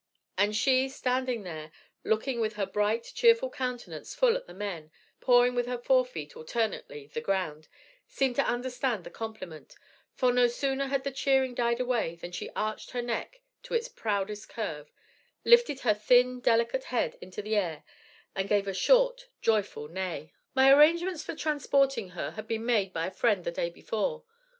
And she, standing there, looking with her bright, cheerful countenance full at the men, pawing with her forefeet, alternately, the ground, seemed to understand the compliment; for no sooner had the cheering died away than she arched her neck to its proudest curve, lifted her thin, delicate head into the air, and gave a short, joyful neigh. "My arrangements for transporting her had been made by a friend the day before.